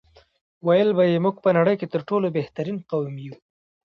ویل به یې موږ په نړۍ کې تر ټولو بهترین قوم یو.